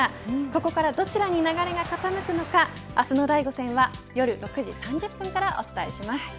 ここからどちらに流れが傾くのか明日の第５戦は夜６時３０分からお伝えします。